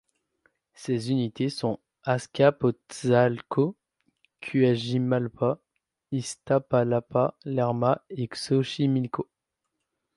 Ces unités sont Azcapotzalco, Cuajimalpa, Iztapalapa, Lerma et Xochimilco.